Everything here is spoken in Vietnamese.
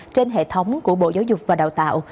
trên hệ thống của bộ giáo dục và đào tạo